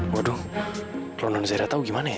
waduh kalau non zahira tau gimana ya